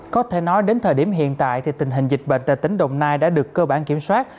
có thể nói đến thời điểm hiện tại thì tình hình dịch bệnh tại tỉnh đồng nai đã được cơ bản kiểm soát